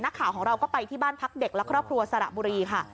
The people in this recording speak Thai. นักข่าวของเราก็ไปที่บ้านพักเด็กและครอบครัวสระบุรีค่ะ